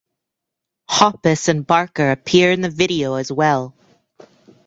Hoppus and Barker appear in the video as well.